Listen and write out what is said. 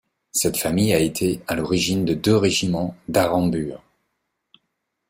Cette famille a été à l´origine de deux régiments d´Harambure.